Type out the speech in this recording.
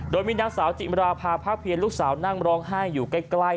โดยมีนางสาวจิมราภาพเพียรลูกสาวนั่งร้องไห้อยู่ใกล้